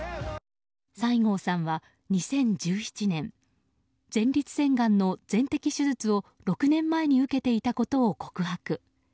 西郷さんは、２０１７年前立腺がんの全摘手術を６年前に受けていたことを告白。